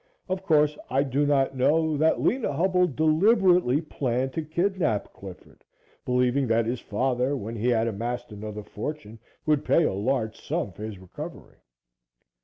Of course, I do not know that Lena Hubbell deliberately planned to kidnap Clifford, believing that his father, when he had amassed another fortune, would pay a large sum for his recovery.